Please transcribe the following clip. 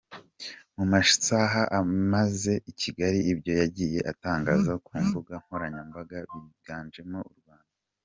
Mu masaha amaze i Kigali ibyo yagiye atangaza ku mbuga nkoranyambaga byiganjemo u Rwanda.